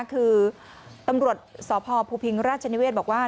คือตำรวจสพภูพิงราชนิเวศบอกว่า